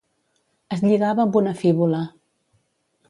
Es lligava amb una fíbula.